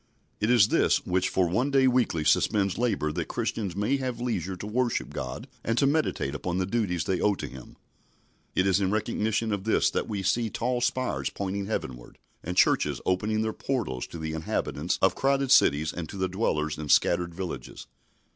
It is this which for one day weekly suspends labour that Christians may have leisure to worship God and to meditate upon the duties they owe to Him. It is in recognition of this that we see tall spires pointing heavenward, and churches opening their portals to the inhabitants of crowded cities and to the dwellers in scattered villages.